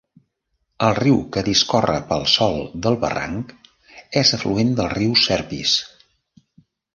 El riu que discorre pel sòl del barranc és afluent del Riu Serpis.